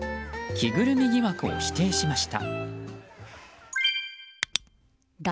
着ぐるみ疑惑を否定しました。